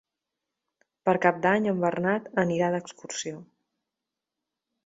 Per Cap d'Any en Bernat anirà d'excursió.